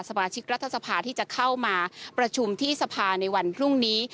สมาชิกรัฐสภาที่จะเข้ามาประชุมที่สภาในวันพรุ่งนี้